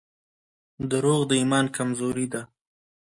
• دروغ د ایمان کمزوري ده.